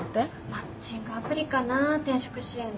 マッチングアプリかな転職支援の。